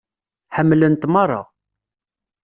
Ḥemmlen-t merra.